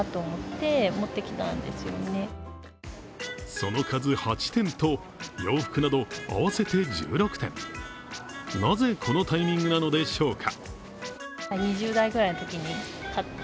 その数８点と、洋服など合わせて１６点、なぜこのタイミングなのでしょうか。